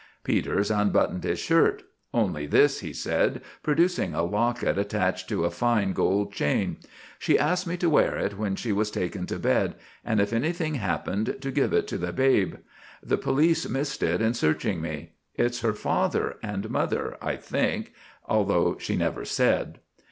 Peters unbuttoned his shirt. "Only this," he said, producing a locket attached to a fine gold chain. "She asked me to wear it when she was taken to bed, and if anything happened, to give it to the babe. The police missed it in searching me. It's her father and mother, I think, although she never said."